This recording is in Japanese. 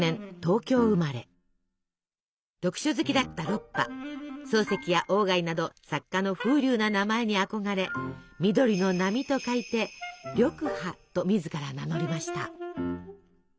読書好きだったロッパ漱石や鴎外など作家の風流な名前に憧れ緑の波と書いて「緑波」と自ら名乗りました。